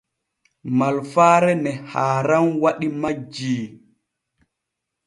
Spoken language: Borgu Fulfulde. Malfaare ne haaran waɗi majjii.